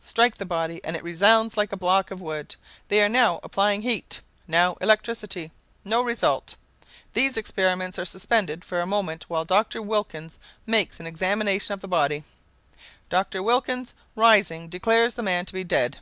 Strike the body and it resounds like a block of wood. They are now applying heat; now electricity. No result. These experiments are suspended for a moment while Dr. Wilkins makes an examination of the body. Dr. Wilkins, rising, declares the man to be dead.